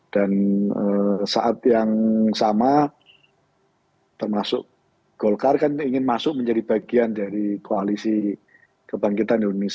dan saat yang sama termasuk golkar kan ingin masuk menjadi bagian dari koalisi kebangkitan indonesia raya